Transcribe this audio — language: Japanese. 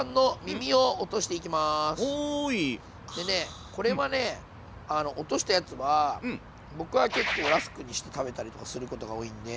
でねこれはね落としたやつは僕は結構ラスクにして食べたりとかすることが多いんで。